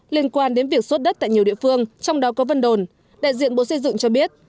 liên quan đến việc xuất đất tại nhiều địa phương trong đó có vân đồn đại diện bộ xây dựng cho biết